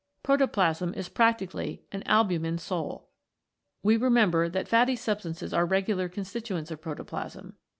Protoplasm is practically an albumin sol. We remember that fatty substances are regular constituents of proto plasm.